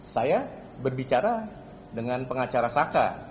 saya berbicara dengan pengacara saka